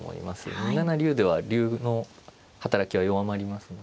２七竜では竜の働きは弱まりますので。